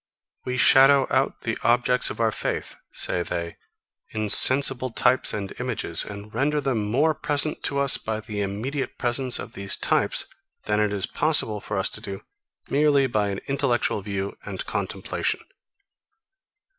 We shadow out the objects of our faith, say they, in sensible types and images, and render them more present to us by the immediate presence of these types, than it is possible for us to do merely by an intellectual view and contemplation.